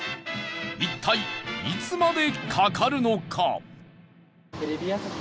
一体、いつまでかかるのか？